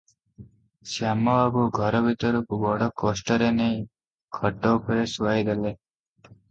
ଶ୍ୟାମ ବାବୁ ଘର ଭିତରକୁ ବଡ଼ କଷ୍ଟରେ ନେଇ ଖଟଉପରେ ଶୁଆଇ ଦେଲେ ।